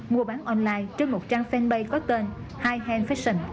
mua bán online trên một trang fanpage có tên hihand fashion